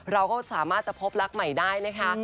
เราก็สามารถจะพบรักใหม่ได้นะคะ